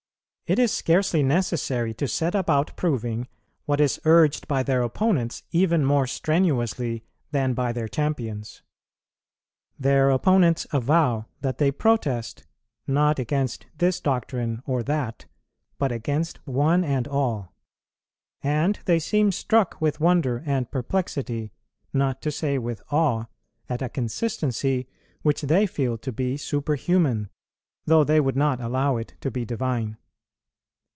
It is scarcely necessary to set about proving what is urged by their opponents even more strenuously than by their champions. Their opponents avow that they protest, not against this doctrine or that, but against one and all; and they seem struck with wonder and perplexity, not to say with awe, at a consistency which they feel to be superhuman, though they would not allow it to be divine.